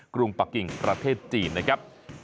กรุงปะกิ่งประเทศจีนนะครับ